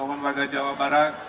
aku nohon warga jawa barat